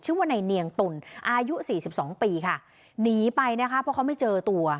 ชื่อว่าในเนียงตุ่นอายุสี่สิบสองปีค่ะหนีไปนะคะเพราะเขาไม่เจอตัว